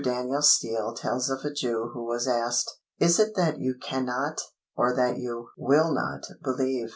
Daniel Steele tells of a Jew who was asked, "Is it that you cannot, or that you will not believe?"